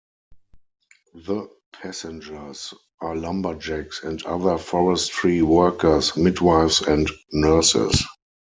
The passengers are lumberjacks and other forestry workers, midwives and nurses.